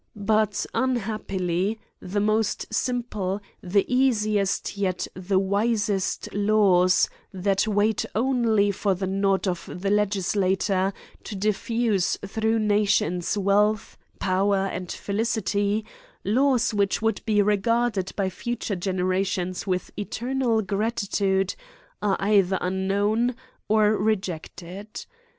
But, unhappily, the most simple, the easiest, yet the wisest laws, that wait only for the nod of the legislator, to difliise through nations wealth, power, and felicity, laws which would be regarded by future generations with eternal gratitude, are either unknown or re jected.